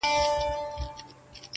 • آثر د خپل یوه نظر وګوره ..